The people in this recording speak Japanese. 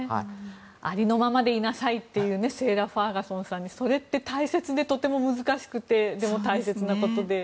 ありのままでいなさいってセーラ・ファーガソンさんの。それって大切でとても難しくてでも大切なことで。